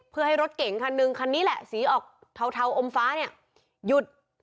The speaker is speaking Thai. เพื่อให้รถเก่งคันหนึ่งคันนี้แหละสีออกเทาอมฟ้าเนี่ยหยุด